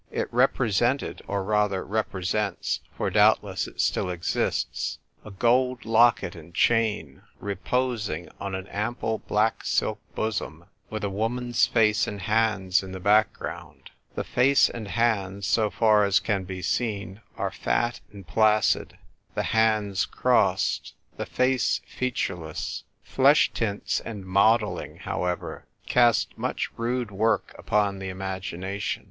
It represented, or rather repre sents (for doubtless it still exists), a gold locket and chain, reposing on an ample black silk bosom, with a woman's face and l60 THE TYPE WRITER GIRL. hands in the background. The face and hands, so far as can be seen, are fat and placid ; the hands crossed ; the face feature less. Flesh tints and modelling, however, cast much rude work upon the imagination.